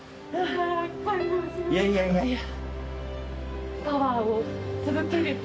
いやいやいやいや